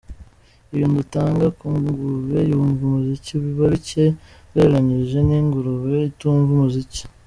Ibintu dutanga ku ngurube yumva umuziki biba bicye ugereranyije n'ingurube itumva umuziki.